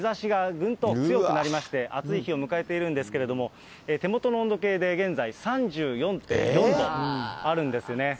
京都はですね、午後に入りまして、日ざしがぐんと強くなりまして、暑い日を迎えているんですけれども、手元の温度計で現在、３４．４度あるんですね。